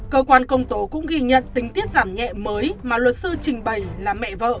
cơ quan công tố cũng ghi nhận tình tiết giảm nhẹ mới mà luật sư trình bày là mẹ vợ